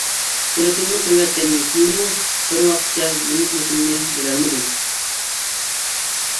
تېلېفوننى قويۇۋەتكەندىن كېيىنمۇ بىر ۋاققىچە نېمە قىلىشىمنى بىلەلمىدىم.